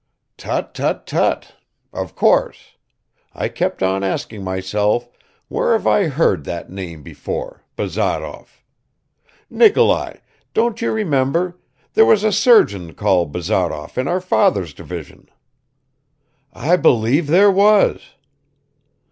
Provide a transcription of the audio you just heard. "Tut, tut, tut! Of course. I kept on asking myself, 'Where have I heard that name before, Bazarov?' Nikolai, don't you remember, there was a surgeon called Bazarov in our father's division." "I believe there was."